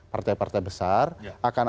partai partai besar akan